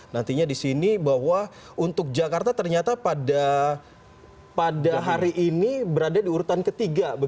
nantinya di sini bahwa untuk jakarta ternyata pada hari ini berada di urutan ketiga